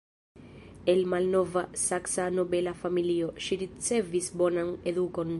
El malnova Saksa nobela familio, ŝi ricevis bonan edukon.